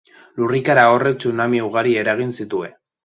Lurrikara horrek tsunami ugari eragin zituen.